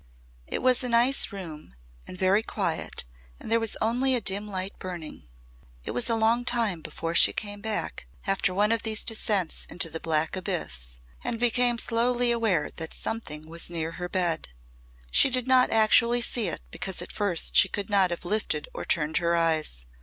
It was a nice room and very quiet and there was only a dim light burning. It was a long time before she came back, after one of the descents into the black abyss, and became slowly aware that Something was near her bed. She did not actually see it because at first she could not have lifted or turned her eyes.